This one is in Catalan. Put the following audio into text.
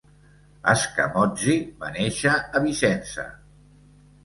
Scamozzi va néixer a Vicenza.